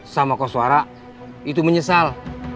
sama koswara itu menyesal